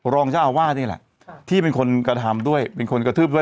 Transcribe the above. รองเจ้าอาวาสนี่แหละที่เป็นคนกระทำด้วยเป็นคนกระทืบด้วย